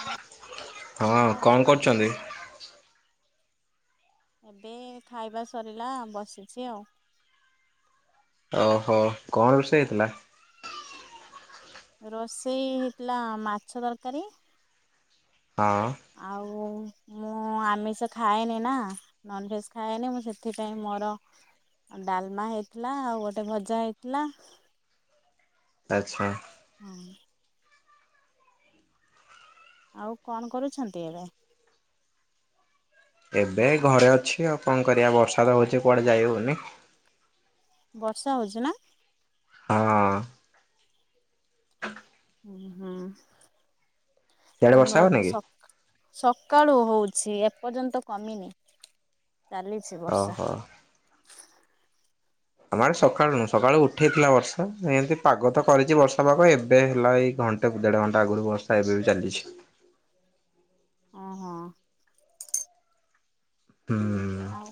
ହଁ ହଁ କୁହ କଣ କରୁଛନ୍ତି? ଏବେ ଖାଇବା ସରିଲା ବସିଛି ଆଉ। ଓହୋ। କଣ ରୋଷେଇ ହେଇଥିଲା? ରୋଷେଇ ହେଇଥିଲା, ମାଛ ତରକାରୀ ହଁ ଆଉ ମୁଁ ଆମିଷ ଖାଏନି ନା, ନନଭେଜ ଖାଏନି ମୁଁ ସେଥିପାଇଁ ମୋର ଡାଲମା ହେଇଥିଲା, ଆଉ ଗୋଟେ ଭଜା ହେଇଥିଲା। ଆଚ୍ଛା। ହଁ। ଆଉ କଣ କରୁଛନ୍ତି ଏବେ? ଏବେ ଘରେ ଅଛି। ଆଉ କଣ କରିବା? ବର୍ଷା ତ ହଉଛି କୁଆଡେ ଯାଇ ହଉନି। ବର୍ଷା ହୋଉଛିନା? ହଁ। ହୁଁ ହୁଁ। ସିଆଡେ ବର୍ଷା ଆମର ହଉନି ତ କି? ସ ସକାଳୁ ହଉଛି। ଏପର୍ଯ୍ୟନ୍ତ କମିନି। ଚାଲିଛି ବର୍ଷା। ଓହୋ। ଆମର ସକାଳୁ ନୁହ ସକାଳୁ ଉଠେଇଥିଲା ବର୍ଷା, ଏମିତି ପାଗ ତ କରିଛି ବର୍ଷା, ପାଗ ଏବେ ହେଲା ଏଇ ଘଣ୍ଟାକୁ ଦେଢ ଘଣ୍ଟା ଆଗରୁ ବର୍ଷା ଏବେ ବି ଚାଲିଛି। ଓ ହଁ। ହୁଁ। ଆଉ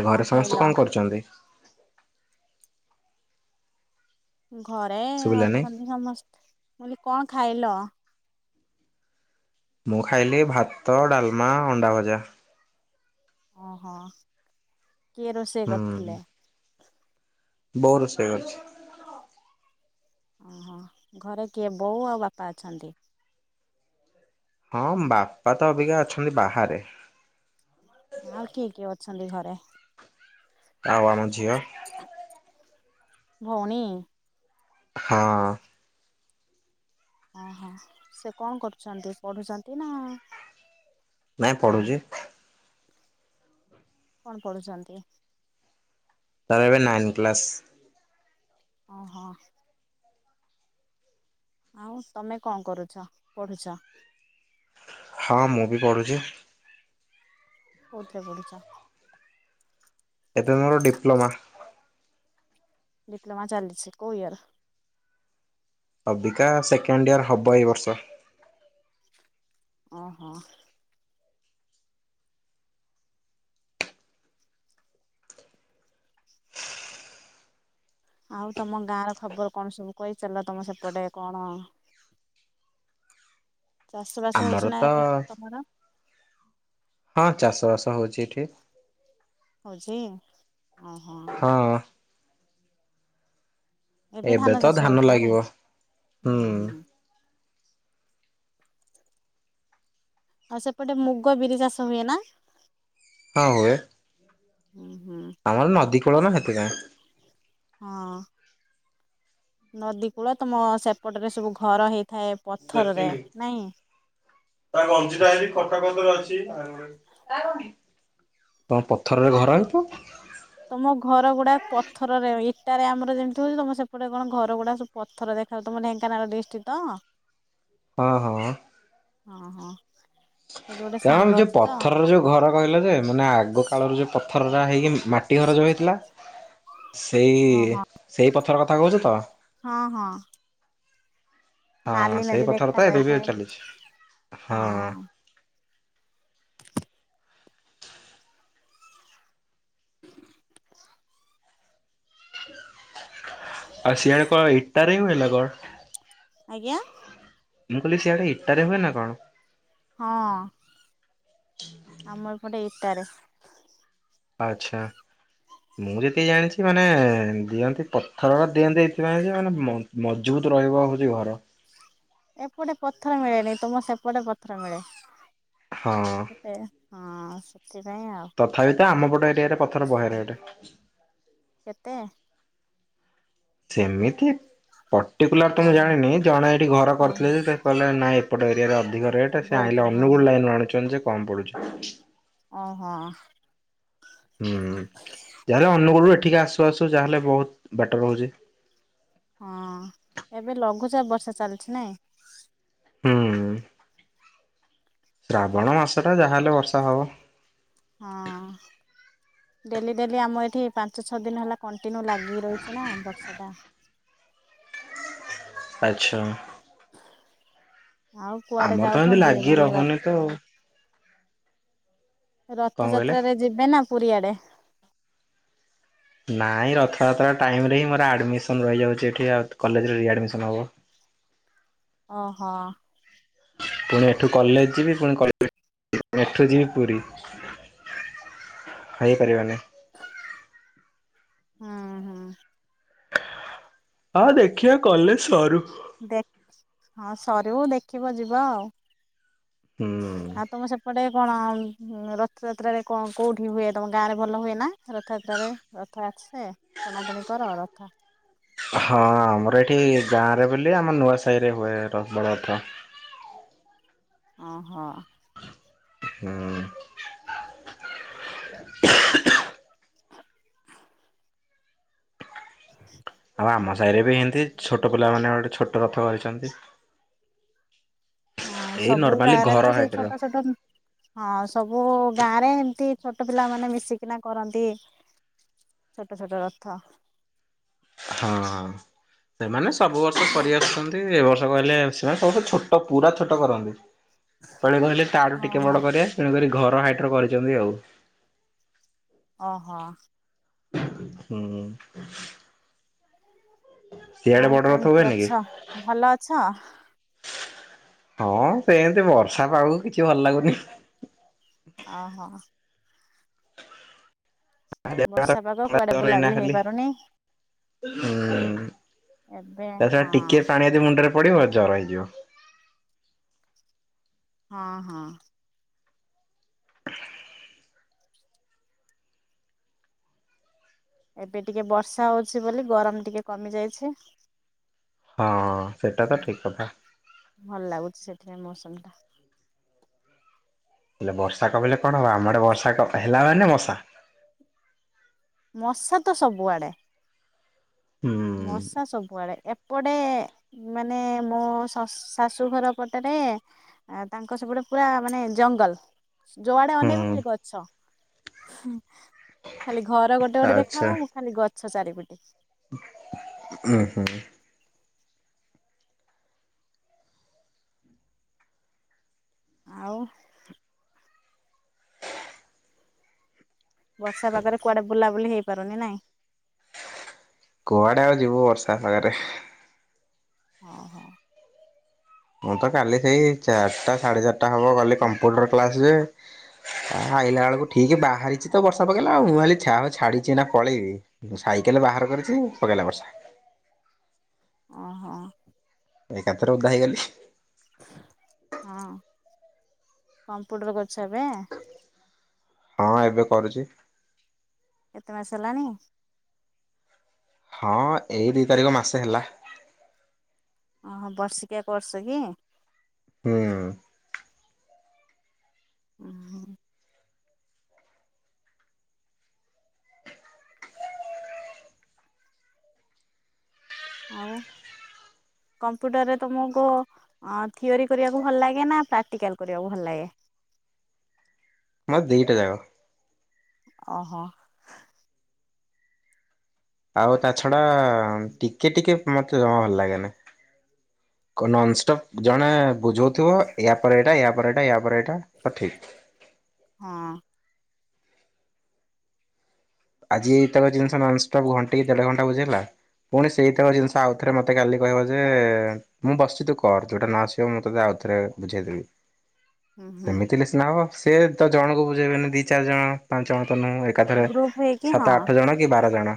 ଆଉ କଣ ଘରେ ସମସ୍ତେ ଖାଇଲ? କଣ, କରୁଛନ୍ତି? ଘରେ ଶୁଭିଲାନି। ଅଛନ୍ତି ସମସ୍ତେ। ମୁଁ କହିଲି କଣ ଖାଇଲ? ମୁଁ ଖାଇଲି ଭାତ, ଡାଲମା, ଅଣ୍ଡା ଭଜା। ଓହୋ। କିଏ ରୋଷେଇ କରିଥିଲେ? ବଉ ରୋଷେଇ କରିଛି। ଓହୋ। ଘରେ କିଏ ବୋଉ ଆଉ ବାପା ଅଛନ୍ତି? ହଁ, ବାପା ତ ଅବିକା ଅଛନ୍ତି ବାହାରେ। ଆଉ କିଏ, କିଏ ଅଛନ୍ତି ଘରେ? ଆଉ ଆମ ଝିଅ। ଭଉଣୀ। ହଁ। ଓହୋ ସେ କଣ କରୁଛନ୍ତି? ପଢୁଛନ୍ତି ନା ନାଇଁ କଣ ପଢୁଛି। କଣ ପଢୁଛନ୍ତି? ତାର ଏବେ ନାଇନ୍ ପ୍ଲସ୍। ଓ ହୋ। ଆଉ ତମେ କଣ କରୁଛ? ପଢୁଛ? ହଁ, ମୁଁ ବି ପଢୁଛି। କୋଉ ଥିରେ ପଢୁଛ? ଏବେ ମୋର ଡିପ୍ଲୋମା। ଡିପ୍ଲୋମା ଚାଲିଛି କୋଉ ଇୟର୍? ଅବିକା ସେକେଣ୍ଡ ଇୟର ହବ, ଏଇ ବର୍ଷ। ଓହୋ। ଆଉ ତମ ଗାଁ ର ଖବର କଣ? ସବୁ କହିଚାଲ ତମ ସେପଟେ କଣ? ଚାଷ ବାସ ଆମର ହଉଛି ନା ତ ଏବେ ତମର? ହଁ ଚାଷ ବାସ ହଉଛି ଏଠି। ହଉଛି? ଓହୋ। ହଁ ଏବେ ତ ଚାଷ ଧାନ ହଉଥିବ ନା? ଲାଗିବ। ହୁଁ। ଆଉ ସେପଟେ ମୁଗ, ବିରି ଚାଷ ହୁଏ ନା? ହଁ ହୁଏ। ହୁଁ ହୁଁ ଆମର ନଦୀ କୂଳ ନା ସେଥିପାଇଁ। ହଁ। ନଦୀ କୂଳ ତମ ସେପଟରେ ସବୁ ଘର ହେଇ ଦେଖିନି ତା ଗଞ୍ଜିଟା ହେବ [unintelligible] ଅଛି। ତମ ପଥରରେ ଘର ହେତୁ ସେଟାରେ ଆମର ଯେମିତି ହଉଛି ତମ ସେପଟେ କଣ ଘର ଗୁଡା ସବୁ ପଥରଖାଯାଉ ତମ ଢେଙ୍କାନାଳ ଡିଷ୍ଟ୍ର୍ ତ [inaudible] ହଁ ହଁ ହଁ ହଁ ସେଠି ଗୋଟେ କାରଣ ସାଙ୍ଗ ଯୋଉ ଅଛି ତ ପଥର ଯୋଉ ଘର କହିଲ ଯେ ମାନେ ଆଗ କାଳର ଯୋଉ ପଥର ଟା ହେଇକି ମାଟି ହରଜ ହୋଇଥିଲା। ସେଇ ହଁ ହଁ ସେଇ ପଥର କଥା କହୁଛ ତ? ହଁ ହଁ। ହଁ ନାଲି ସେଇ ନାଲି ପଥର ଦେଖା ତ ଏବେ ବି ଯାଇଥାଏ ଚାଲିଛି। ହଁ ଆଉ ସିଆଡେ କଣ ଇଟାରେ ହୁଏ ନା କଣ? ଆଜ୍ଞା ମୁଁ କହିଲି ସିଆଡେ ଇଟାରେ ହୁଏ ନା କଣ? ହଁ ଆମ ଏପଟେ ଇଟାରେ ଆଚ୍ଛା। ମୁଁ ଯେତିକି ଜାଣିଛି ମାନେ ଦିଅନ୍ତି ପଥରର ଦିଅନ୍ତି ଏଇଥିପାଇଁ ଯେ ମାନେ ମଜୁବୁତ ରହିବ ହଉଛି ଘର [inaudible] ଏପଟେ ପଥର ମିଳେନି ତମ ସେପଟେ ପଥର ମିଳେ ହଁ ସେ ହଁ ସେଥିପାଇଁ ଆଉ ତଥାପି ତ ଆମପଟେ ଏରିଆରେ ପଥର ବହେ ରେଟ। ଟେ ସେମିତି ପଟିକୁଲାର ତ ମୁଁ ଓହୋ ଜାଣିନି ଜଣେ ଏଇଠି ଘର ହଁ କରିଥିଲେ ଯେ କହିଲେ ନାଇଁ ଏପଟ ଏରିଆରେ ଅଧିକ ରେଟ୍ ସେ ଆଣିଲେ ବହୁତ ହଁ ହଁ ଅନୁଗୁଳ ଲାଇନୁରୁ ଆଣୁଛନ୍ତି ସେ କମ ପଡୁଛି। ଓହୋ ହୁଁ ଯାହାଲେ ଅନୁଗୁଳ ରୁ ଏଠିକି ଆସୁଆସୁ ଯାହାହେଲେ ବହୁତ ବେଟର ହୋଉଛି। ହଁ ଏବେ ଲଘୁଚାପ ବର୍ଷା ଚାଲିଛି ନାଇଁ ହୁଁ। ଶ୍ରାବଣ ମାସଟା ଯାହାହେଲେ ବର୍ଷା ହବ। ହଁ ଡେଲି ଡେଲି ଆମର ଏଠି ପାଞ୍ଚ ଛଅଦିନ ହେଲା କଣ୍ଟିନ୍ୟୁ ଲାଗିକି ରହିଛି ନା ବର୍ଷା ଟା। ଆଚ୍ଛା। ଆଉ କୁଆଡେ ଆମର ତ ଏମତି ଯାଉଛନ୍ତି ଲାଗି ବୁଲିବାକୁ ରହୁନି ତ କଣ କହିଲେ? ରଥଯାତ୍ରାରେ ଯିବେ ନା ପୁରୀଆଡେ? ନାଇଁ ରଥଯାତ୍ରା ଟାଇମରେ ହିଁ ମୋର ଆଡମିସନ ରହିଯାଉଛି ଏଠି କଲେଜରେ ରିଆଡ଼ମିସନ ହେବ। ଓ ହୋ। ପୁଣି ଏଠୁ କଲେଜ ଯିବି ପୁଣି କ ଏଠୁ ଯିବି ପୁରୀ ହେଇପାରିବନି। [inaudible] ହୁଁ ହୁଁ। ଆଉ ଦେଖିବା କଲେଜ ସରୁ ଦେଖ ହଁ ସରିବ ଦେଖିବ ଯିବ ଆଉ ହୁଁ। ହଁ ତମ ସେପଟେ କଣ ରଥଯାତ୍ରାରେ କଣ କେଉଁଠି ହୁଏ ତମ ଗାଁରେ ଭଲ ହୁଏ ନା ରଥଯାତ୍ରାରେ ରଥଯାତ୍ରା ସେ ଟଣାଟଣି କର ରଥ ହଁ ଆମର ଏଠି ଗାଁରେ ବୋଲି ଆମର ନୂଆ ସାହିରେ ହୁଏ ବଡ଼ରଥ। ଓହୋ। ହୁଁ। [inaudible] ଆଉ ଆମ ସାହିରେ ବି ହେନ୍ତି ଛୋଟ ପିଲାମାନେ ଗୋଟେ ଛୋଟ ରଥ କରିଛନ୍ତି। ହଁ ଏଇ ସବୁ ନର୍ମାଲି ଗାଁରେ ଘର ତ ସେଇ ହାଇଟର ଛୋଟ ଛୋଟ ହଁ ସବୁ ଗାଁରେ ଏମତି ଛୋଟ ପିଲାମାନେ ମିଶିକିନା କରନ୍ତି ଛୋଟ ଛୋଟ ରଥ। ହଁ ସେମାନେ ସବୁବର୍ଷ କରି ଆସୁଛନ୍ତି। ଏଇ ବର୍ଷ କହିଲେ ସେମାନେ ସମସ୍ତେ ଛୋଟ ପୁରା ଛୋଟ କରନ୍ତି। ପେଳେ କହିଲେ ତାଠୁ ଟିକେ ଓହୋ ବଡ କରିବା ତେଣୁ କରି ଘର ହାଇଟର କରିଛନ୍ତି ଆଉ। ଓହୋ। ହୁଁ। ସିଆଡେ ଆଉ ବଡ ରଥ କେମତି ହୁଏନି କି? ଅଛ ଭଲ ଅଛ? ହଁ ସେମିତି ବର୍ଷା ପାଗକୁ କିଛି ଭଲ ଲାଗୁନି। ଓହୋ। ବର୍ଷା ପାଗ କୁଆଡେ [unintelligible] ଏନା ବୁଲାବୁଲି ଖାଲି। ହେଇପାରୁନି। ହୁଁ ଏବେ ତା ଛଡା ହଁ ଟିକିଏ ପାଣି ଯଦି ମୁଣ୍ଡରେ ପଡ଼ିବ ଜ୍ଵର ହେଇଯିବ। ହଁ ହଁ। ଏବେ ଟିକେ ବର୍ଷା ହଉଛି ବୋଲି ଗରମ ଟିକେ କମି ଯାଇଛି। ହଁ ସେଟା ତ ଠିକ କଥା ଭଲ ଲାଗୁଛି ସେଥିପାଇଁ ମୌସମ ଟା ହେଲେ ବର୍ଷା କମିଲେ କଣ ହବ ଆମ ଆଡେ ବର୍ଷା କ ହେଲା ମାନେ ମଶା। ମଶା ତ ସବୁଆଡେ। ହୁଁ ମଶା ସବୁଆଡେ ଏପଟେ ମାନେ ମୋ ମୋ ଶାଶୁଘର ପଟେରେ ତାଙ୍କ ସେପଟେ ପୁରା ମାନେ ଜଙ୍ଗଲ। ଯୁଆଡେ ଅନେଇବ ହୁଁ ଖାଲି ଗଛ। ଖାଲି ଘର ଗୋଟେ ଗୋଟେ ଦେଖାହବ। ମୁଁ ଖାଲି ଗଛ ଚାରିପଟେ ଉହୂ। ଆଉ ବର୍ଷା ପାଗରେ କୁଆଡେ ବୁଲାବୁଲି ହେଇପାରୁନି ନାଇଁ। କୁଆଡେ ଆଉ ଯିବୁ ବର୍ଷା ପାଗରେ। ହଁ ହଁ। ମୁଁ ତ କାଲି ସେଇ ଚାରିଟା ସାଢେ ଚାରିଟା ହବ ଗଲି କମ୍ପୁଟର କ୍ଲାସ ଯେ ଆ ଆଇଲା ବେଳକୁ ଠିକ ବାହାରିଛି ତ ବର୍ଷା ପକେଇଲା ଆଉ ମୁଁ ଭାବିଲି ଯାହାହେଉ ଛାଡ଼ ଛାଡିଚିଛି ଏନା ପଳେଇବି। ସାଇକେଲେ ବାହାର କରିଛି ପକେଇଲା ବର୍ଷା। ଓ ହୋ। ଏକାଥରେ ଓଦା ହେଇଗଲି। ହଁ କମ୍ପ୍ୟୁଟର କରୁଛ ଏବେ? ହଁ ଏବେ କରୁଛି। କେତେ ମାସ ହେଲାଣି? ହଁ ଏଇ ଦି ତାରିଖକୁ ମାସେ ହେଲା। ଓହୋ ବର୍ଷିକିଆ କୋର୍ସ କି? ହୁଁ। ଓ ହ। ଆଉ। କମ୍ପ୍ୟୁଟରରେ ତମକୁ ଥିଓରି କରିବାକୁ ଭଲ ଲାଗେ ନା ପ୍ରାକ୍ଟିକାଲ କରିବାକୁ ଭଲ ଲାଗେ? ଦିଇଟା ଯାକ। ଓହୋ। ଆଉ ତା ଛଡା ଟିକେ ଟିକେ ମତେ ଜମା ଭଲ ଲାଗେନା। କ ନନଷ୍ଟପ୍ ଜଣେ ବୁଝଉଥିବ ୟା ପରେ ଏଇଟା ୟା ପରେ ଏଇଟା ୟା ପରେ ଏଇଟା ତ ଠିକ। ହଁ ଆଜି ତାଙ୍କ ଜିନିଷ ନନଷ୍ଟପ୍ ଘଣ୍ଟେ କି ଦେଢ ଘଣ୍ଟା ବଜେଇଲା। ପୁଣି ସେଇ ତକ ଜିନିଷ ଆଉଥରେ ମତେ କାଲି କହିବ ଯେ ମୁଁ ବସିଛି ତୁ କର ଯୋଉଟା ନ ଆସିବ ମୁଁ ତତେ ଆଉ ଥରେ ବୁଝେଇଦେବି। ହୁଁ ହୁଁ ସେମିତି ହେଲେ ସିନା ହବ ସିଏ ତ ଜଣଙ୍କୁ ବୁଝେଇବେନି ଦି ଚାରି ଜଣ ପାଞ୍ଚ ଜଣ। ତ ମୁଁ ଏକାଥରେ ଗ୍ରୁପ ହେଇକି ହଁ ସାତ ଆଠ ଜଣ କି ବାର ଜଣ।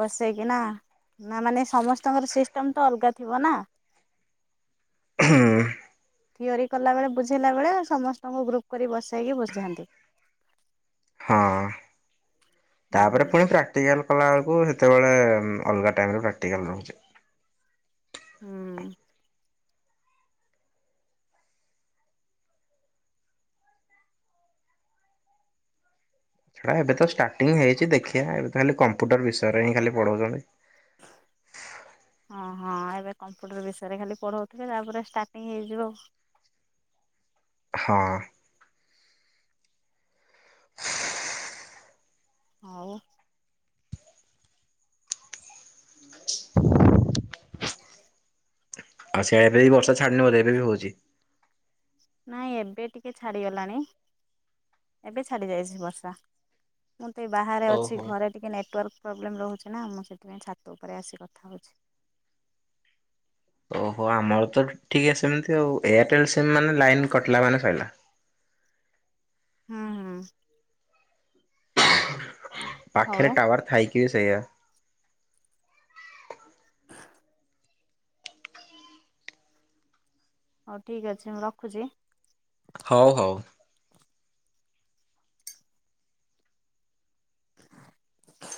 ବସେଇକି ନା ନା ମାନେ ସମସ୍ତଙ୍କର ସିଷ୍ଟମ ତ ଅଲଗା ଥିବ ନା। ହୁଁ ଥିଓରି କଲା ବଳେ ବୁଝେଇଲା ବେଳେ ସମସ୍ତଙ୍କୁ ଗ୍ରୁପ କରି ବସେଇକି ବୁଝାନ୍ତି। ହଁ ତାପରେ ହୁଁ ପୁଣି ପ୍ରାକ୍ଟିକାଲ କଲା ବେଳକୁ ସେତେବେଳେ ଏବେ ଉମ ଅଲଗା ଟାଇମରେ ପ୍ରାକ୍ଟିକାଲ ରହୁଚି। ହୁଁ ପ୍ରାୟ ଏବେ ତ ଷ୍ଟାର୍ଟିଂ ହେଇଚି ଦେଖିଆଁ ଏବେ ତ ଖାଲି କମ୍ପ୍ୟୁଟର ବିସଷୟରେ ହିଁ ଖାଲି ପଢୋଉଛନ୍ତି। [inaudible] ହଁ ହଁ ଏବେ କମ୍ପ୍ୟୁଟର ବିଷୟରେ ଖାଲି ପଢ଼ଉଥିବେ ତାପରେ ଷ୍ଟାର୍ଟିଂ ହେଇଯିବ। [inaudible] ହଁ [inaudible] ଆଉ ଆଉ ସେଇଆ ତ ଏଇ ବର୍ଷା ଛାଡିନି ବୋଧେ ଏବେ ବି ହଉଚି। ନାଇଁ ଏବେ ଟିକେ ଛାଡିଗଲାଣି ଏବେ ଛାଡି ଯାଇଛି ବର୍ଷା। ମୁଁ ତ ଏଇ ବାହାରେ ଅଛି ଘରେ ଟିକେ ନେଟ୍ ନେଟୱାର୍କ ପ୍ରୋବ୍ଲେମ୍ ରହୁଛି ନା ମୁଁ ସେଥିପାଇଁ ଛାତ ଉପରେ ଆସି କଥା ହଉଛି। [inaudible] ଓହୋ ଆମର ତ ଠିକ୍ ସେମିତି ଆଉ ଏୟାରଟେଲ ସିମ୍ ମାନେ ଲାଇନ କଟିଲା ମାନେ ସଇଲା। ହୁଁ ହୁଁ ପାଖେରେ ହଉ ଟାୱାର ଥାଇକ ବି ସେଇଆ। ହଉ ଠିକ ଅଛି ମୁଁ ରଖୁଚି। ହଉ ହଉ